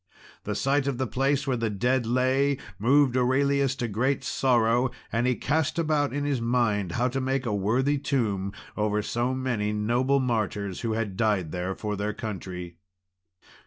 The sight of the place where the dead lay moved Aurelius to great sorrow, and he cast about in his mind how to make a worthy tomb over so many noble martyrs, who had died there for their country.